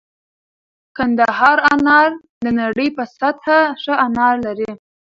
کندهار انار د نړۍ په سطحه ښه انار لري